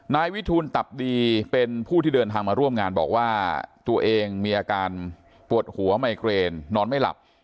นายวิทูลตับดีเป็นผู้ที่เดินทางมาร่วมงานบอกว่าตัวเองมีอาการปวดหัวไมเกรนนอนไม่หลับ